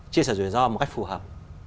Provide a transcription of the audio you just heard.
chia sẻ rủi ro một cách phù hợp